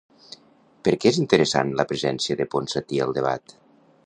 Per què és interessant la presència de Ponsatí al debat?